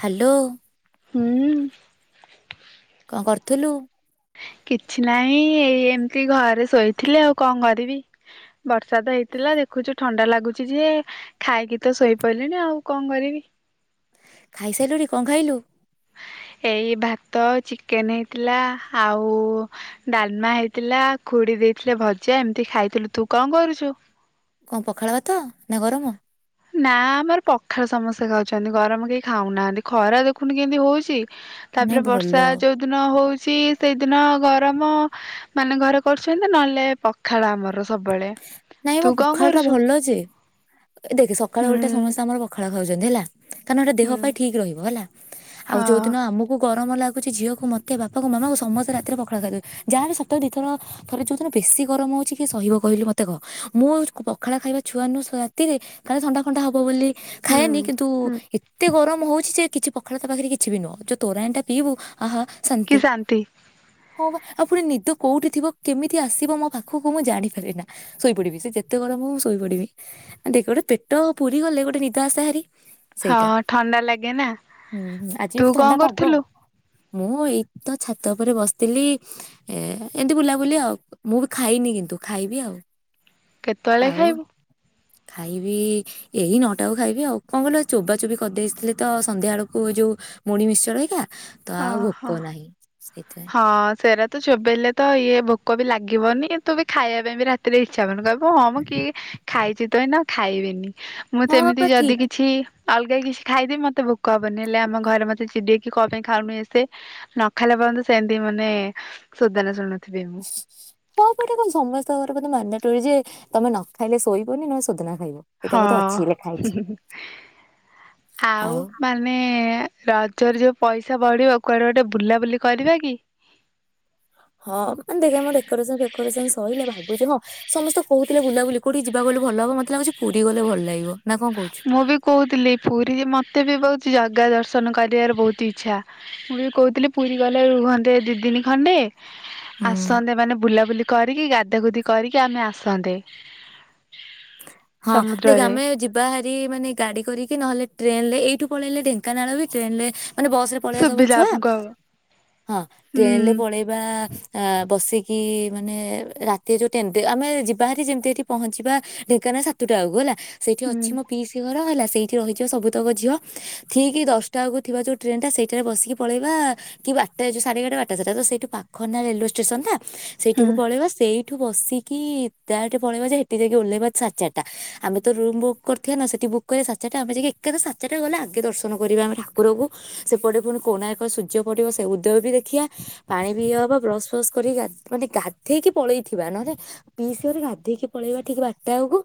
Hello ହୁଁଉଁଉଁ କଣ କରୁଥୁଲୁ? କିଛି ନାହିଁ ଏଇ ଏମିତି ଘରେ ଶୋଇଥିଲି ଆଉ କଣ କରିବି ବର୍ଷା ତ ହେଇଥିଲା ଦେଖୁଛୁ ଠଣ୍ଡା ଲାଗୁଛି ଯେ ଖାଇକି ତ ଶୋଇପଇଲିଣି ଆଉ କଣ କରିବି? ଖାଇସାଇଲୁଣି କଣ ଖାଇଲୁ? ଏଇ ଭାତ ଚିକେନ ହେଇଥିଲା ଆଉ ଡାଲମା ହେଇଥିଲା ଖୁଡି ଦେଇଥିଲେ ଭଜା ଏମିତି ଖାଇଥିଲୁ ତୁ କଣ କରୁଛୁ? କଣ ପଖାଳ ଭାତ ନା ଗରମ? ନା ଆମର ପଖାଳ ସମସ୍ତେ ଖାଉଛନ୍ତି ଗରମ କେହି ଖାଉନାହାନ୍ତି ଖରା ଦେଖୁନୁ କେମିତି ହଉଛି? ନାଇଁ ତାପରେ ଭଲ ବର୍ଷା ଯୋଉ ଦିନ ହଉଛି ସେଇଦିନ ଗର ତମ ମାନେ ଘରେ କରୁଛନ୍ତି ନହେଲେ ପଖାଳ ଆମର ସବୁବେଳେ ନାଇଁ ତୁ ମୋ କଣ ପଖାଳ ଟା କରୁଛୁ? ଭଲ ଯେ ଏ ଦେଖେ ସକାଳ ଓଲଟା ହୁଁ ସମସ୍ତେ ଆମର ପଖାଳ ଖାଉଛନ୍ତି ହେଲା କାରଣ ଏଟା ଦେହ ହୁଁ ପାଇଁ ଠିକ ରହିବ ହେଲା। ଆଉ ଯୋଉ ହଁ ଦିନ ଆମକୁ ଗ ଗରମ ଲାଗୁଛି ଝିଅକୁ ମୋତେ ବାପାକୁ ମାମାକୁ ସମସ୍ତେ ରାତିରେ ପଖାଳ ଖାଇଦଉ ଯାହାହେଲେ ସପ୍ତାହ ରେ ଦିଥର ଥରେ ଯଉଦିନ ବେଶୀ ଗରମ ହଉଛି କିଏ ସହିବ କହିଲୁ କହିଲୁ ମତେ। ଦେଖ ମୁଁ ପଖାଳ ଖାଇବା ଛୁଆ ନୁହଁ ସେ ରାତିରେ ଖାଲି ଥଣ୍ଡା ଫଣ୍ଡା ହବ ବୋଲି ହୁଁ ଖାଏନି କିନ୍ତୁ ହୁଁ ଏତେ ଗରମ ଗରମ ହଉଛି ଯେ କିଛି ପଖାଳ ତା ପାଖରେ କିଛି ବି ନୁହଁ ଯୋଉ ତୋରାଣୀଟା ପିଇବୁ? ଆହା ଶାନ୍ତି ହଁ ବା। ଆଉ ପୁଣି ନିଦ କୋଉଠି ଥିବ କେମିତି ଆସିବ ମୋ ପାଖକୁ ମୁଁ ଜାଣିପାରେନା। ଶୋଇପଡିବି ସେ ଯେତେ ଗରମ ହଉ ମୁଁ ଶୋଇପଡିବି ଆ ଦେଖ ଗୋଟେ ପେଟ ପୁରି ଗଲେ ଗୋଟେ ନିଦ ଆଶେ ହାରି। ହଁ ସେଇଟା। ଥଣ୍ଡା ଲାଗେ ନା ହୁଁ ହୁଁ ଆଜି ତୁ ବି ଥଣ୍ଡା କଣ ପାଗ କରୁଥିଲୁ? ମୁଁ ଏଇ ତ ଛାତ ଉପରେ ବସିଥିଲି ଏ ଏମିତି ବୁଲାବୁଲି ଆଉ ମୁଁ ବି ଖାଇନି କିନ୍ତୁ ଖାଇବି ଆଉ। କେତେବେଳେ ଆଉ ଖାଇବୁ? ଖାଇବି ଏଇ ନଅଟା ଖାଇବି ଆଉ କଣ କିଲ ଚୋବା ଚୋବି କରିଦେଇଥିଲେ ତ ସନ୍ଧ୍ୟା ବେଳକୁ ଯୋଉ ମୁଢ଼ି ମିକ୍ସଚର ହେରିକା। ତ ହଁ ଆଉ ଭୋକ ହଁ ନାହିଁ ସେଇଥିପାଇଁ ହଁ ସେରା ତ ଚୋବେଇଲେ ତ ଇଏ ଭୋକ ବି ଲାଗିବନି ତୁ ବି ଖାଇବା ପାଇଁ ବି ରାତିରେ ଇଚ୍ଛା ହବନି କହିବୁ। ହଁ ହଁ ମ କିଏ ଖାଇ ସିଏ ତ ଏଇନା ଖାଇବେନି। ମୁଁ ହଁ ସେମିତି ବା ଠିକ ଯଦି କିଛି ଅଲଗା କିଛି ଖାଇଦେବି ମତେ ଭୋକ ହବନି ହେଲେ ଆମ ଘରେ ମତେ ଚିଡେଇକି କ ପାଇଁ ଖାଉନୁ ଏତେ ନ ଖାଇଲା ପଯ୍ୟନ୍ତ ସେମିତି ମାନେ ସୋଦନା ଶୁଣୁ ହଁ ପଟ କଣ ସମସ୍ତଙ୍କର ବଧେ ମାନ୍ଦା ତୁ ଯେ ତମେ ନ ଖାଇଲେ ଶୋଇବନି ନହେଲେ ଶୋଦନା। ହଁ ହେ ହେ ଆଉ ମାନେ ରଜରେ ଯୋଉ ପଇସା ବଢିବ କୁଆଡେ ଗୋଟେ ବୁଲାବୁଲି କରିବା କି। ହଁ ମାନେ ଦେଖେ ଆମ ଡେକରେସନ ଫେକୋରେସନ୍ ସରିଲେ ଭାବୁଛି ହଁ ସମସ୍ତେ କହୁଥିଲେ ବୁଲାବୁଲି କୋଉଠି ଯିବାକୁ କହିଲୁ ଭଲ ହବ ମତେ ଲାଗୁଛି ପୁରୀ ଗଲେ ଭଲ ଲାଗିବ। ନା କଣ କହୁଛୁ? ମୁଁ ବି କହୁଥିଲି ପୁରୀରେ ମତେ। ଏତେ ବି ବହୁତ ଜଗା ଦର୍ଶନ କରିବାର ବହୁତ ଇଚ୍ଛା ମୁଁ ବି କହୁଥିଲି ପୁରୀ ଗଲେ ରୁହନ୍ତେ ଦୁଇଦିନି ଖଣ୍ଡେ। ହୁଁ ଆସନ୍ତେ ମାନେ ବୁଲା ବୁଲି କରିକି ଗାଧା ଗୁଧି କରିକି ଆମେ ଆସନ୍ତେ। ହଁ ଦେଖେ ସମୁଦ୍ରରେ ଆମେ ଯିବା ହେ ରି ମାନେ ଗାଡି କରିକି ନହେଲେ ଟ୍ରେନ୍ ଲେ ଏଇଠୁ ପଳେଇଲେ ଢେଙ୍କାନାଳ ବି ଟ୍ରେନ୍ ଲେ ମାନେ ବସ ରେ ପଳେଇବା ସବୁ ସୁବିଧା ଛୁଆ ଆମକୁ ହବ। ହଁ ଟ୍ରେନଲେ ହୁଁ ପଳେଇବା ଆ ବସି କି ମାନେ ରାତି ଯୋଉ ଟ୍ରେନ୍ ଆମେ ଯିବାଭାରି ଯେମିତି ଏଠି ପହଞ୍ଚିବା ଢ଼େ କାଇନା ସାତଟା ବଳକୁ ହେଲା। ସେଇଠି ହୁଁ ଅଛି ମୋ ପିଇସି ଘର ହେଲା ସେଇଠି ରହିଯିବା ସବୁତକ ଝିଅ ଠିକି ଦଶଟା ବେଳକୁ ଥିବା ଯେଉଁ ଟ୍ରେନଟା ସେଇଟାରେ ବସିକି ପଳେଇବା କି ବାରଟା ଯେଉଁ ସାଢ଼େଏଗାର ବାରଟା ତ ସେଇଠୁ ପାଖନା ରେଲୱେ ଷ୍ଟେସନଟା। ହୁଁ ସେଇଠିକୁ ପଳେଇବା ସେଇ ଏଠୁ ବସିକି ଡାଇରେକ୍ଟ ପଳେଇବା ଯେ ହେଠି ଯାଇକି ଓଲେହିବା ସାଢେ ଚାରିଟା ଆମେ ତ ରୁମ୍ ବୁକ୍ କରିଥିବାନା ସେଠି ବୁକ୍ କରିବା ସାଢେ ଚାରିଟା ଆମେ ଯାଇକି ଏକାଥରକେ ସାଢେ ଚାରିଟା ଗଲେ ଆଗେ ଦର୍ଶନ କରିବା ଆମେ ଠାକୁରକୁ ସେପଟେ ପୁଣି କୋଣାର୍କ ସୂର୍ଯ୍ୟ ପଡିବ ସେ ଉଦୟ ବି ଦେଖିବା ପାଣି ପିଇ ହବ ବ୍ରସ୍ ଫ୍ରସ୍ କରି ମାନେ ଗାଧେଇକି ପଳେଇଥିବା ନହେଲେ ପିସି ଗାଧୋଇକି ପଳେଇବା ଠିକ୍ ବା ଟାଆ କୁ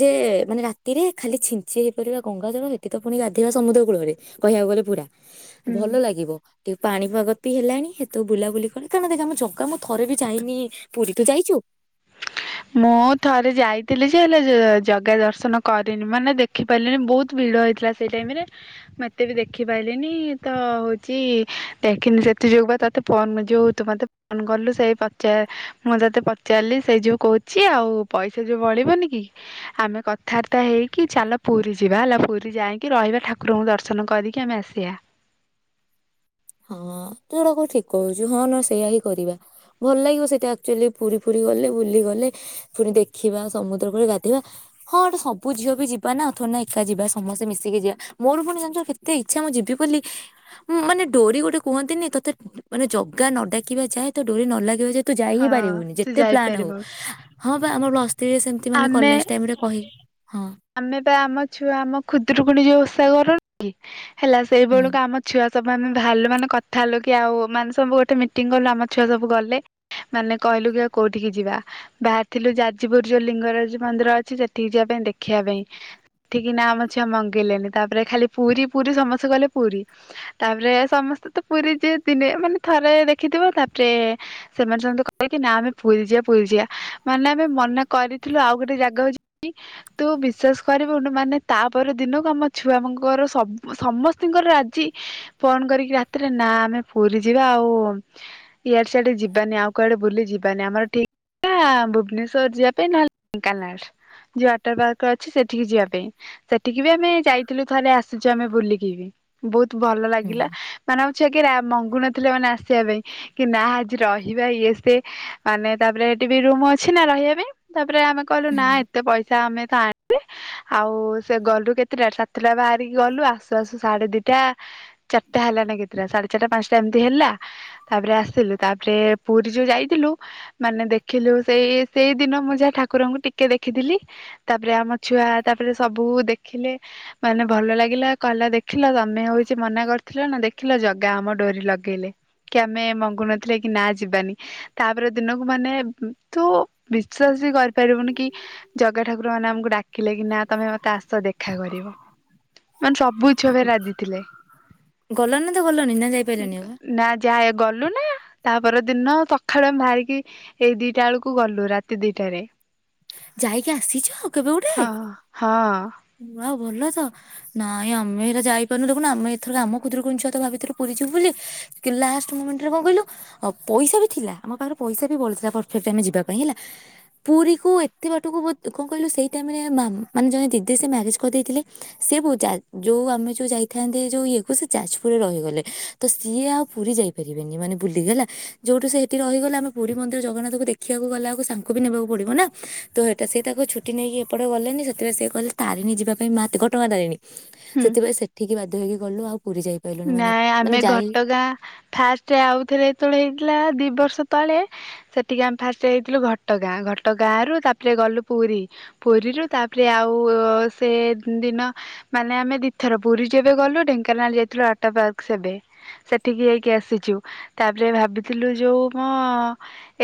ଯେ ମାନେ ରାତିରେ ଖାଲି ଛିଞ୍ଚି ହେଇପଡିବା ଗଙ୍ଗା ଜଳରେ ସେଠି ତ ପୁଣି ଗାଧୋଇବା ସମୁଦ୍ର କୂଳରେ କହିବାକୁ ଗଲେ ପୁରା। ହୁଁ। ଭଲ ଲାଗିବ ଟିକେ ପାଣିପାଗ ବି ହେଲାଣି। ତ ବୁଲାବୁଲି କଲେ କାରଣ କେଜାଣି ମୁ ଜଗା ମୁଁ ଥରେ ବି ଯାଇନି ପୁରୀ ତୁ ଯାଇଛୁ। ମୁଁ ଥରେ ଯାଇଥିଲି ଯେ ହେଲେ ଜଗା ଦର୍ଶନ କରିନି ମାନେ ଦେଖିପାରିଲିନି ବହୁତ ଭିଡ ହେଇଥିଲା ସେଇ ଟାଇମରେ ମୁଁ ଏତେ ବି ଦେଖିପାରିଲିନି ତ ହଉଛି ଦେଖିନି ସେଥି ଯୋଗୁ ବା ତତେ ଫୋନ ଯେଉ ତୁ ମତେ ଫୋନ କଲୁ ସେଇ ପଚାର ମୁଁ ତତେ ପ ଚାଲି ସେ ଯୋଉ କହୁଛି ଆଉ ପଇସା ଯୋଉ ବଳିବନି କି ଆମେ କଥାବାର୍ତ୍ତା ହେଇକି ଚାଲ ପୁରୀ ଯିବା ହେଲା ପୁରୀ ଯାଇକି ରହିବା ଠାକୁରଙ୍କୁ ଦର୍ଶନ କରିକି ଆମେ ଆସିବା। ହଁ ତୁ ଯୋଟା କ ଠିକ କହୁଛୁ ହଁ ନ ସେଇୟା ହିଁ କରିବା ଭଲ ଲାଗିବ ସେଇଟା ଆକଚୁଆଲି ପୁରୀ ଫୁରି ଗଲେ ବୁଲି ଗଲେ ପୁଣି ଦେଖିବା ସମୁଦ୍ର କ ଗାଧିବା ହଁ ଗଟେ ସବୁ ଝିଅ ବି ଯିବା ନା ଥୋଢ଼ି ନା ଏକା ଯିବା ସମସ୍ତେ ମିଶିକି ଯିବା ମୋର ପୁଣି ଜାଣିଛୁ କେତେ ଇଚ୍ଛା ମୁଁ ଯିବି ବୋଲି ମାନେ ଡୋରି ଗୋଟେ କୁହନ୍ତିନି ତୋତେ ମାନେ ଜଗା ନ ଡାକିବା ଯାଏ ତ ଡୋରି ନ ଲାଗିବା ଯାଏ ତୁ ଯାଇ ହି ହଁ ପାରିବୁନି ତୁ ଯେତେ ପ୍ଲାନ୍ ହଉ ଯାଇପାରିବୁ ହଁ ବା ଆମର ଲ ମତେ ବି ସେମିତି ମାନେ ଆମେ କଲେଜ୍ ଟାଇମ୍ ରେ କହି ହଁ ଆମେ ବା ଆମ ଛୁଆ ଆମ ଖୁଦରୁକୁନୀ ଯୋଉ ଓଷା କରୁ [unintelligible] ହେଲା ହୁଁ ସେଇଭଳିକୁ ଆମ ଛୁଆ ସବୁ ଆମେ ବାହାରିଲୁ ମାନେ କଥା ହେଲୁ କି ଆଉ ମାନେ ସବୁ ଗୋଟେ ମିଟିଂ କଲୁ ଆମ ଛୁଆ ସବୁ ଗଲେ ମାନେ କହିଲୁ କି ଆଉ କୋଉଠିକି ଯିବା ବାହାରିଥିଲୁ ଯାଜପୁରୁ ଯୋଉ ଲିଙ୍ଗରାଜ ମନ୍ଦିର ଅଛି ସେଠିକି ଯିବା ପାଇଁ ଦେଖ ଦେଖିବା ପାଇଁ ସେଠିକି ନା ଆମ ଝିଆ ମଙ୍ଗେଇଲେନି ତାପରେ ଖାଲି ପୁରୀ ପୁରୀ ସମସ୍ତେ କହିଲେ ପୁରୀ ତାପରେ ସମସ୍ତେ ତ ପୁରୀ ଯିଏ ଦିନେ ମାନେ ଥରେ ଦେଖିଥିବ ତାପରେ ସେମାନେ ସମେତେ କହିଲେ କି ନା ଆମେ ପୁରୀ ଯିବା ପୁରୀ ଯିବା ମାନେ ଆମେ ମନା କରିଥିଲୁ ଆଉ ଗୋଟେ ଜେଗା କୁ ଜିବୁ ତୁ ବିଶ୍ୱାସ କରିବୁନୁ ମାନେ ତାପ ଦିନକୁ ଆମ ଛୁଆ ମାନଙ୍କର ସୁ ସମସ୍ତଙ୍କର ରାଜି ଫୋନ କରିକି ରାତିରେ ନା ଆମେ ପୁରୀ ଯିବା ଆଉ ଇଆଡେ ସିଆଡେ ଯିବାନି ଆଉ କୁଆଡେ ବୁଲି ଯିବାନି ଆମର ଠିକ୍ ଥିଲା ଭୁବନେଶ୍ୱଵର ଯିବା ପାଇଁ ନହେଲେ ଢେଙ୍କାନାଳ ଯିବା ୱାଟର ପାର୍କ ଅଛି ସେଠ ସେଠିକି ଯିବା ପାଇଁ ସେଠିକି ବି ଆମେ ଯାଇଥିଲୁ ଥଲେ ଆସୁଛୁ ଆମେ ବୁଲି ଯିବି ବୋହୁତ ଭଲ ହୁଁ। ଲାଗିଲା ମାନେ ଆମ ଛୁଆ କେ ମଙ୍ଗୁ ନଥିଲେ ମାନେ ଆସିବା ପାଇଁ। କି ନା ଆଜି ରହିବା ଇଏ ସେ ମାନେ ତାପରେ ହେଠି ବି ରୁମ ଅଛି ନା ରହିବା ପାଇଁ ତାପରେ ରେ ଆମେ କହିଲୁ ନା ଏତେ ପଇସା ଆମେ ଆଣିଲେ ଆଉ ସେ ଗଲୁ କେତେଟା ସାତଟା ବାହାରିକି ଗଲୁ ଆସୁ ଆସୁ ସାଢେ ଦିଟା ଚାରିଟା ହେଲାନା କେତେଟା ସାଢେ ଚାରିଟା ପାଞ୍ଚଟା ଏମତି ହେଲା ତାପରେ ଆସିଲୁ ତାପରେ ପୁରୀ ଯୋଉ ଯାଇଥିଲୁ ମାନେ ଦେଖିଲୁ ସେଇ ସେଇ ଦିନ ମୁଁ ଯାହା ଠାକୁରଙ୍କୁ ଟିକେ ଦେଖିଥିଲି। ତାପରେ ଆମ ଛୁଆ ତାପରେ ସବୁ ଦେଖିଲେ ମାନେ ଭଲ ଲାଗିଲା କହିଲା ଦେଖିଲ ତମେ ହଉଛି ମନା କରିଥିଲ ନା ଦେଖିଲ ଜଗା ଆମ ଡୋରି ଲଗେଇଲେ କି ଆମେ ମଙ୍ଗୁନଥିଲେ କି ନା ଯିବାନି ତାପରେ ଦିନକୁ ମାନେ ତୁ ବିଶ୍ଵାସ ବି କରିପାରିବୁନି କି? ଗା ଠାକୁର ମାନେ ଆମକୁ ଡାକିଲେ କି ନା ତମେ ମତେ ଆସ ଦେଖା କରିବ ମାନେ ସବୁ ଛୁଆ ବି ରାଜି ଥିଲେ ଗଲଣି ନା ତ ଗଲଣି ନା ଯାଇପାରିଲନି ଆଉ ନା ଯାହା ଗଲୁ ନା ତାପର ଦିନ ସକାଳୁ ଆମେ ବାହାରିକି ଏଇ ଦିଟା ବେଳକୁ ଗଲୁ ରାତି ଦିଟାରେ। ହଁ। ଯାଇକି ଆସିଛ କେବେ ହଁ ଗୋଟେ? ହଁ ୱା ଆଉ ଭଲ ତ ନାଇଁ ଆମେ ହେରା ଯାଇପାରୁନୁ ଦେଖୁ ଆମେ ଏଥର ଆମ ଖୁଦରକୁଣୀ ଛୁଆ ତ ଭାବିଥିଲୁ ପୁରୀ ଯିବୁ ବୋଲି ଲାଷ୍ଟ ମୁମେଣ୍ଟ ରେ କଣ କହିଲୁ ପଇସା ବି ଥିଲା ଆମ ପାଖରେ ପଇସା ବି ବଳିଥିଲା ପରଫେକ୍ଟ ଆମେ ଯିବା ପାଇଁ ହେଲା ପୁରୀକୁ ଏତେ ବାଟକୁ କଣ କହିଲୁ ସେଇ ଟାଇମ ମାନେ ଜଣେ ମାମା ଜଣେ ଦିଦି ଯି ସେ ମ୍ୟାରେଜ୍ କରିଦେଇଥିଲେ ସିଏ ବଉ ଯେଉଁ ଆମେ ଯେଉଁ ଯାଇଥାନ୍ତେ ଯେଉଁ ଇଏକୁ ସେ ଯାଜପୁରରେ ରହିଗଲେ ତ ସିଏ ଆଉ ପୁରୀ ଯାଇପାରିବେନି ମାନେ ବୁଲିକଗଲା ଯେଉଁଠୁ ସେ ସେଇଠି ରହିଗଲା ଆମେ ପୁରୀ ମନ୍ଦିର ଜଗନ୍ନାଥକୁ ଦେଖିବାକୁ ଗଲା ଆଉ ସାଙ୍କୁ ବି ନେବାକୁ ପଡ଼ିବ ନା ତ ସେଇଟା ସେ ତାକୁ ଛୁଟି ନେଇକି ଏପଟେ ଗଲେନି ସେତେବେଳେ ସିଏ କଲେ ତାରିଣୀ ଯିବା ପାଇଁ ମା ଘଟଗାଁ ତାରିଣୀ। ହୁଁ। ସେଥିପାଇଁ ସେଠିକି ବାଧ୍ୟ ହୋଇକି ଗଲୁ ଆଉ ପୁରୀ ଯାଇପାରିଲୁନି ମାନେ ନାଇଁ ମାନେ ଆମେ ଯାଇ ଘଟଗାଁ ଫାଷ୍ଟ ଆଉଥରେ ଏତେବେଳେ ହେଇଥିଲା ଦି ବର୍ଷ ତଳେ ସେଠିକି ଆମେ ଫାଷ୍ଟ ହେଇଥିଲୁ ଘଟଗାଁ ଘଟଗାଁ ରୁ ତାପରେ ଗଲୁ ପୁରୀ ପୁରୀରୁ ତାପରେ ଆଉ ସେ ଦିନ ମାନେ ଆମେ ଦିଇଥର ପୁରୀ ଯେବେ ଗଲୁ ଢେଙ୍କାନାଳ ଯାଇ ଅଟା ପାର୍କ ସେବେ ସେଠିକି ଯାଇକି ଆସିଛୁ ତାପରେ ଭାବିଥିଲୁ ଯୋଉ ମୋ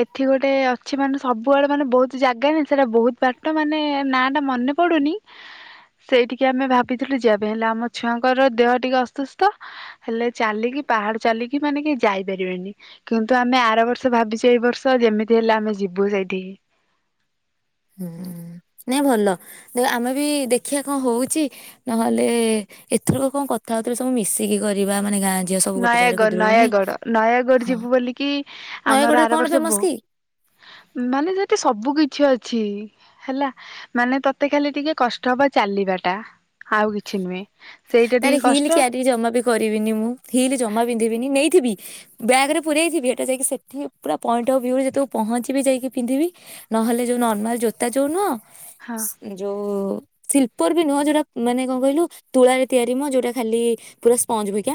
ଏଠି ଗୋଟେ ଅଛି ମାନେ ସବୁଆଡେ ମାନେ ବହୁତ ଜାଗାାନ ସେଟା ବହୁତ ବାଟ ମାନେ ନା ଟା ମନେ ପଡୁନି ସେଇଠିକି ଆମେ ଭାବିଥିଲୁ ଯିବା ଏବେ ହେଲେ ଆମ ଛୁଆଙ୍କର ଦେହ ଟିକେ ଅସୁସ୍ଥ ତ ହେଲେ ଚାଲିକି ପାହାଡ ଚାଲିକି ମାନେ କି ଯାଇପାରିବେନି କିନ୍ତୁ ଆମେ ଆର ବର୍ଷ ଭାବିଛୁ ଏଇ ବର୍ଷ ଯେମିତି ହେଲେ ଆମେ ଯିବୁ ସେଇଠିକି ହୁଁ ନାଇଁ ଭଲ ଆମେ ବି ଦେଖିବା କଣ ହଉଛି ନହେଲେ ଏଥରକ କଣ କଥା ହଉଥିଲେ ସବୁ ମିଶିକି କରିବା ମାନେ ଗାଁ? ଝିଅ ସବୁ ଗୋଟେ ଜାଗାରେ ନୟାଗଡ ଖୁଦୁରୁକୁଣୀ ନୟାଗଡ ନୟାଗଡ ହଁ ଯିବୁ ବୋଲିକି ଆମର ନୟାଗଡ଼ରେ କଣ ଆରବର୍ଷ ଫେମସ ବୋ କି ମାନେ ଯି ସବୁ କିଛି ଅ ଅଛି ହେଲା ମାନେ ତତେ ଖାଲି ଟିକେ କଷ୍ଟ ହବ ଚାଲିବା ଟା। ତାର ହିଲ କଷ୍ଟ କିଆ ଟିକେ ଜମା ବି କରିବିନି ମୁଁ ହିଲ୍ ଜମା ପିନ୍ଧିବିନି ନେଇଥିବି ବ୍ୟାଗ୍ ରେ ପୁରେଇ ଥିବି ସେଇଟା ଯାଇକି ସେଠି ପୁରା ପଏଣ୍ଟ ଅଫ୍ ଭ୍ୟୁରେ ଯେତବେକୁ ପହଞ୍ଚିବି ପିନ୍ଧିବି ନହଲେ ଯୋଉ ନର୍ମାଲ ଜୋତା ଯେଉଁ ନୁହଁ ହଁ ଯୋଉ ଶିଲପର ବି ନୁହଁ ଯୋଉ ରା ମାନେ କଣ କହିଲୁ ତୁଳା ତିଆରି ମ ଯୋଉଟା ଖାଲି ପୁରା ସ୍ପଞ୍ଜ ଭିକା।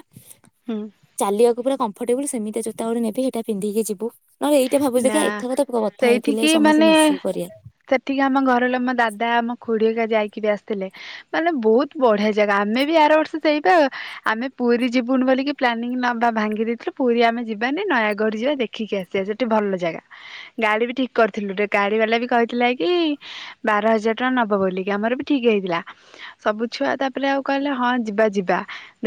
ହୁଁ ଚାଲିବା। ପୁରା କଂଫଟେବୁଲ ସେମିତିକ ଯୋଟଗୋଟେ ନେବି ସେଇଟା ପିନ୍ଧିକି ଯିବୁ। ନହେଲେ ଏଇଟା ଭାବୁଛି ନା ଦେଖିଆ ଏଥର ତ କଥା ହେଇଥିଲେ ସେଇଠିକି ସମସ୍ତେ ମାନେ ମିଶିକି କରିବା ସେଠିକି ଆମ ଘର ଲ ମୋ ଦାଦା ଆମ ଖୁଡିକା ଯାଇକି ବି ଆସି ଥିଲେ ମାନେ ବହୁତ ବଢ଼ିଆ ଜାଗା ଆମେ ବି ଆର ବର୍ଷ ଯଇବା ଆମେ ପୁରୀ ଯିବୁନି ବୋଲିିକି ପ୍ଲାନିଙ୍ଗ ନେବା ଭାଙ୍ଗି ଦେଇଥିଲୁ ପୁରୀ ଆମେ ଯିବାନି ନୟାଗଡ଼ ଯିବା ଦେଖିକି ଆସିବା। ଗଟେ ଭଲ ଜାଗା ଗାଡି ବି ଠିକ କରିଥିଲୁ ଟେ ଗାଡି ବାଲା ବି କହିଥିଲା କି ବାର ହଜାର ଟଙ୍କା ନବ ବୋଲିକି ଆମର ବି ଠିକ ହେଇଥିଲା ସବୁ ଛୁଆ ତାପରେ ଆଉ କହିଲେ ହଁ ଯିବା ଯିବା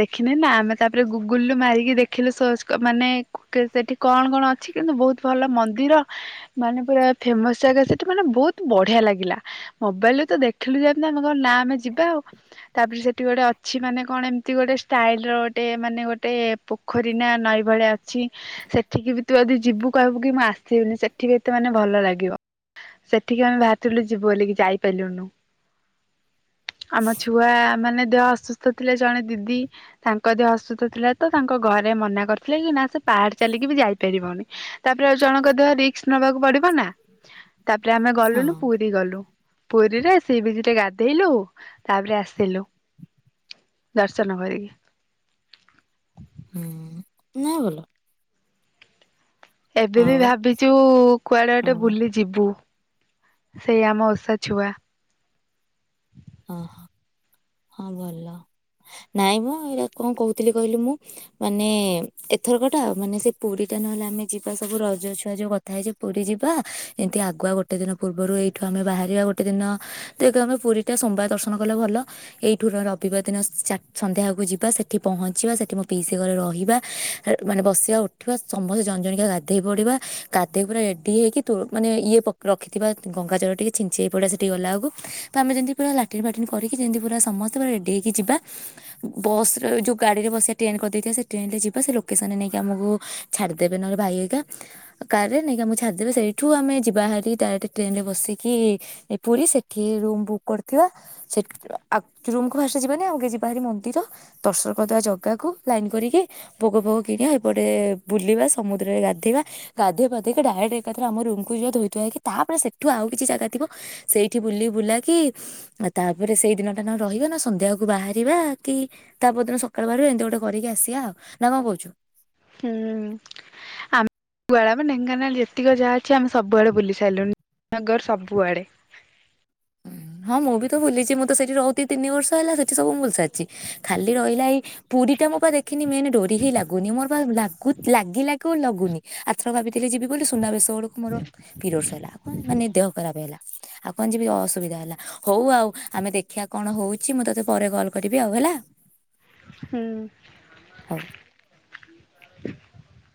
ଦେଖିନି ନା ଆମେ ତାପରେ ଗୁଗୁଲରୁୁ ମାରିକି ଦେଖିଲୁ ସର୍ଚ୍ଚ ମାନେ ସେଠି କଣ କଣ ଅଛି କିନ୍ତୁ ବହୁତ ଭଲ ମନ୍ଦିର ମାନେ ପୁରା ଫେମସ ଜାଗା ସେଠି ମାନେ ବହୁତ ବଢିଆ ଲାଗିଲା ମୋବାଇଲରେ ତ ଦେଖିଲୁ ଯେମିତି ଆମେ କଣ ନା ଆମେ ଯିବା ଆଉ ତାପରେ ସେଠି ଗୋଟେ ଅଛି ମାନେ କଣ ଏମିତି ଗୋଟେ ଷ୍ଟାଇଲ ର ଗୋଟେ ମାନେ ଗୋଟେ ପୋଖରୀ ନା ନଈ ଭଳିଆ ଅଛି ସେଠିକି ବି ତୁ ଯି ଯିବୁ କହିବୁ କି ମୁଁ ଆସିବିନି ସେଠି ବି ଏତେ ମାନେ ଭଲ ଲାଗିବ ସେଠିକି ଆମେ ବାହାରିଥିଲୁ ଯିବୁ ବୋଲିିକ ଯାଇପାରିଲୁନୁ ଆମ ଛୁଆ ମାନେ ଦେହ ଅସୁସ୍ଥ ଥିଲେ ଜଣେ ଦିଦି ତାଙ୍କ ଦେହ ଅସୁସ୍ଥ ଥିଲା ତ ତାଙ୍କ ଘରେ ମନା କରିଥିଲେ କି ନା ତୁ ପାହାଡ ଚାଲିକି ବି ଯାଇପାରିବୁନି। ତାପରେ ଆଉ ଜଣଙ୍କ ଦେହ ରିକସ୍କ ନବାକୁ ପଡିବ ହ ନା ତାପରେ ଆମେ ହଁ ଗଲୁନୁ ପୁରୀ ଗଲୁ। ପୁରୀରେ ସି ବିଚ୍ ରେ ଗାଧେଇଲୁ ତାପରେ ଆସିଲୁ ଦର୍ଶନ କରିକି ହୁଁ ନା ଭଲ। ଏବେ ବି ଆଉ ଭାବିଛୁ କୁଆଡେ ହଁ ଗଟେ ବୁଲି ଯିବୁ। ସେଇ ଆମ ଓଷା ଛୁଆ ଓହୋ ହଁ ଭଲ ନାଇଁ ମୁଁ ଏଇଟା କଣ କହୁଥିଲି କହିଲି ମୁଁ ମାନେ ଏଥର କଟା ମାନେ ସେ ପୁରୀ ଟା ନହେଲେ ଆମେ ଯିବା ସବୁ ରଜ ଛୁଆ ଯୋଉ କଥା ହେଇଛି ପୁରୀ ଯିବା ଏମିତି ଆଗୁଆ ଗୋଟେ ଦିନ ପୂର୍ବରୁ ଏଇଠୁ ଆମେ ବାହାରିବା ଗୋଟେ ଦିନ ତ ଆମେ ପୁରୀ ଟିକେ ସୋମବାର ଦର୍ଶନ କଲେ ଭଲ ଏଇଠୁ ରବିବାର ଦିନ ସନ୍ଧ୍ୟା ଆଗକୁ ଯିବା ସେଠି ପହଞ୍ଚିବା ସେଠି ମୋ ପିଇସି ଘରେ ରହିବା ମାନେ ବସିବା ଉଠିବା ସମସ୍ତେ ଜଣ ଜଣିକା ଗାଧୋଇ ପଡ଼ିବା ଗାଧୋଇ ପୁରା ରେଡ଼ି ହେ ହୋଇକି ମାନେ ଇଏ ରଖିଥିବା ଗଙ୍ଗାଚଳ ଟିକେ ଛିଞ୍ଚେଇ ହେ ପଡ଼ିବା ସେଠି ଗଲା ଆଳକୁ ତ ଆମେ ଯେମିତି ପୁରା ଲାଟିନ ଫାଟିନ କରିକି ଯେମିତି ପୁରା ସମସ୍ତେ ପୁରା ରେଡ଼ି ହେଇକି ଯିବା ବସ୍ର ଯେଉଁ ଗାଡ଼ିରେ ବସିବା ଟ୍ରେନ କରିଦେଇଥିବା ସେ ଟ୍ରେନ୍ରରେ ଯିବା ସେ ଲୋକେସନରେ ନେଇକି ଆମକୁ ଛାଡ଼ିଦେବେ ନହେଲେ ଭାଇ ହରିକା କାରରେ ନେଇକି ଆମକୁ ଛାଡ଼ିଦେବେ ସେଇଠୁ ଆମେ ଯିବା ହେରିି ଡାଇରେକ୍ଟ ଟ୍ରେନରେ ବସିକି ପୁରୀ ସେଇଠି ରୁମ୍ ବୁକ୍ କରି ଥିବା ସେ ରୁମ୍କୁ ଫାଷ୍ଟ ଯିବାନି ଆମକେ ଯିବା ଭାରି ମନ୍ଦିର ଦର୍ଶନ କରିଦେବା ଜାଗାକୁ ଲାଇନ୍ କରିକି ଭୋଗ ଫୋଗ କିଣିବା ଏପଟେ ବୁଲିବା ସମୁଦ୍ରରେ ଗାଧେଇବା ଗାଧୋଇ ପାଧେଇକି ଡାଇରେକ୍ଟ ଏକାଥରେ ଆମ ରୁମ୍କୁ ଯିବା ଧୋଇଧୁଆ ହେଇକି ତାପରେ ସେଇଠୁ ଆଉ କିଛି ଜାଗା ଥିବ ସେଇଠି ବୁଲି ବୁଲାକି ଆଉ ତାପରେ ସେଇ ଦିନଟା ନ ରହିବା ନା ସନ୍ଧ୍ୟାକୁ ବାହାରିବା କି ତା ପରଦିନ ସକାଳୁ ବାହାରିବା ଏମିତି ଗୋଟେ କରିକି ଆସିବା ଆଉ ନା କଣ କହୁଛୁ? ହୁଁ ଆମେ [unintelligible] ଢେଙ୍କାନାଳ ଯେତିକି ଯାହା ଅଛି ଆମେ ସବୁଆଡେ ବୁଲି ସାରିଲୁଣି ନଗର ସବୁଆଡେ ହଁ ମୁଁ ବି ତ ଭୁଲିଛି ମୁଁ ତ ସେଠି ରହୁଛି ଦି ତିନି ବର୍ଷ ହେଲା ସେଠି ସବୁ ବୁଲିସାରିଛି। ଖାଲି ରହିଲା ଏଇ ପୁରୀ ଟା ମୁଁ ପା ଦେଖିନି ମେନ ଡୋରି ହି ଲାଗୁନି ମୋର ପା ଲାଗି ଲାଗି ଲଗୁନି ଆଥର କା [inaudible] ସେରେ ଯିବି ବୋଲି ସୁନାବେଶ ବେଳକୁ ମୋର ପିରିୟଡ଼ସ ହେଲା ମାନେ ଦେହ ଖରାପ ହେଲା। ଆଉ କଣ ଯିବି ସୁବିଧା ହେଲା ହଉ ଆଉ ଆମେ ଦେଖିବା କଣ ହଉଛି ମୁଁ ତତେ ପରେ କଲ କରିବି ଆଉ ହେଲା। ହଉ। ହୁଁ। [inaudible]